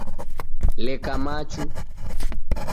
Leka machu.